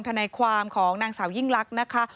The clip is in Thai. ทนายความของนางสาวยิ่งลักษณ์นะคะ